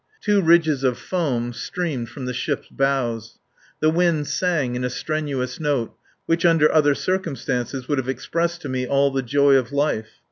Two ridges of foam streamed from the ship's bows; the wind sang in a strenuous note which under other circumstances would have expressed to me all the joy of life.